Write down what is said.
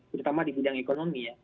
terutama di bidang ekonomi ya